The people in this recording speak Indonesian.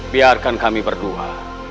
biarkan kami berdua